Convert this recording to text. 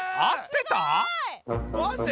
マジ？